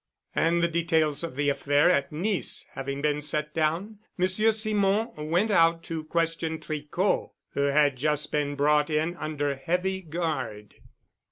And the details of the affair at Nice having been set down, Monsieur Simon went out to question Tricot, who had just been brought in under heavy guard.